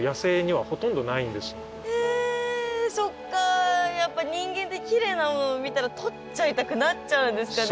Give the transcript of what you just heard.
今はそっかやっぱ人間ってきれいなものを見たらとっちゃいたくなっちゃうんですかね。